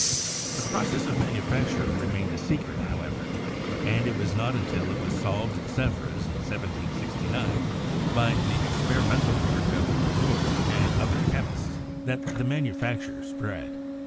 The process of manufacture re mained a secret, however, and it was not until it was solved at Sevres in 1769 by the experimental work of Reaumur and other chemists that the manufacture spread.